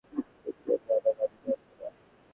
কিন্তু এই গাধা-গাধি জানত না।